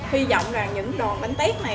hy vọng rằng những đòn bánh tét này